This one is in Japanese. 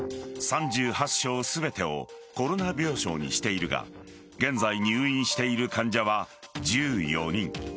３８床全てをコロナ病床にしているが現在入院している患者は１４人。